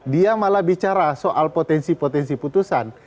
dia malah bicara soal potensi potensi putusan